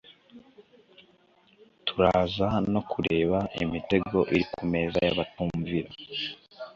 turaza no kureba imitego iri kumeza yabatumvira